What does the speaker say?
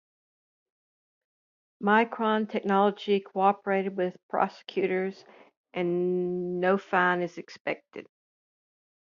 Micron Technology cooperated with prosecutors and no fine is expected.